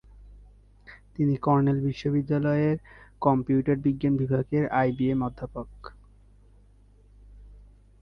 তিনি কর্নেল বিশ্ববিদ্যালয়ের কম্পিউটার বিজ্ঞান বিভাগের আইবিএম অধ্যাপক।